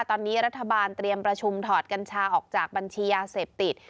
ตอนนี้รัฐบาลเตรียมประชุมถอดกัญชาออกจากบัญชียาเสพติด